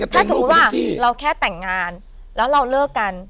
ถ้าสมมุติว่าเราแค่แต่งงานแล้วเราเลิกกัน